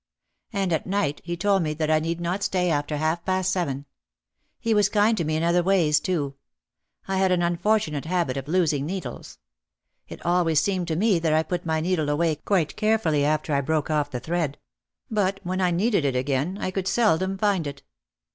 And at night he told me that I need not stay after half past seven. He was kind to me in other ways too. I had an unfortunate habit of losing needles. It always seemed to me that I put my needle away quite carefully after I broke off the thread; but when I needed it again I could seldom find it.